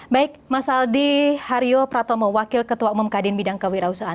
baik mas aldi haryo pratomo wakil ketua umum kadin bidang kewirausahaan